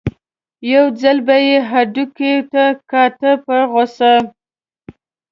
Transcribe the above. یو ځل به یې هډوکي ته کاته په غوسه.